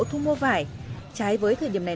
thu mua vải trái với thời điểm này